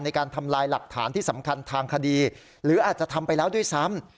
ในการทำลายหลักฐานที่สำคัญทางคดีหรืออาจจะทำไปแล้วด้วยซ้ำ